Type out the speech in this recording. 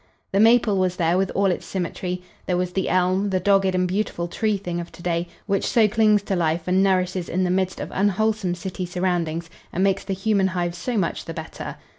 The maple was there with all its symmetry. There was the elm, the dogged and beautiful tree thing of to day, which so clings to life and nourishes in the midst of unwholesome city surroundings and makes the human hive so much the better.